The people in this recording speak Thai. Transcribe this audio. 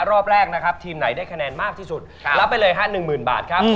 รอบแรกนะครับทีมไหนได้คะแนนมากที่สุดรับไปเลยฮะ๑๐๐๐บาทครับ